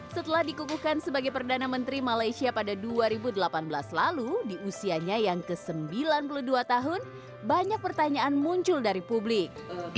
setelah dikukuhkan sebagai perdana menteri malaysia pada dua ribu delapan belas lalu di usianya yang ke sembilan puluh dua tahun banyak pertanyaan muncul dari publik